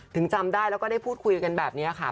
จำได้แล้วก็ได้พูดคุยกันแบบนี้ค่ะ